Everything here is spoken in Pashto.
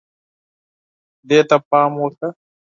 دې ته پام وکړه